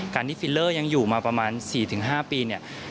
การที่ฟิลเลอร์ยังอยู่มาประมาณ๔๕ปีเนี่ย